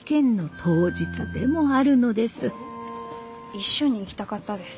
一緒に行きたかったです。